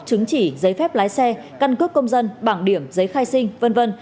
chứng chỉ giấy phép lái xe căn cước công dân bảng điểm giấy khai sinh v v